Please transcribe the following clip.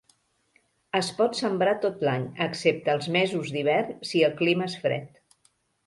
Es pot sembrar tot l'any, excepte els mesos d'hivern si el clima és fred.